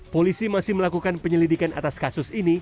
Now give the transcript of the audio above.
polisi masih melakukan penyelidikan atas kasus ini